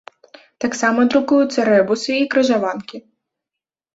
Таксама друкуюцца рэбусы і крыжаванкі.